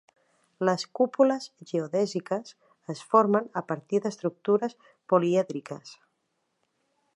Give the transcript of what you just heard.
Les cúpules geodèsiques es formen a partir d'estructures polièdriques.